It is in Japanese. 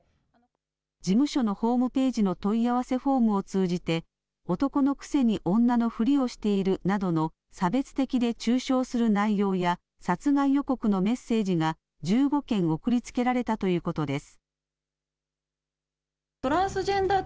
事務所のホームページの問い合わせフォームを通じて、男のくせに女のふりをしているなどの差別的で中傷する内容や、殺害予告のメッセージが１５件送りつけられたということです。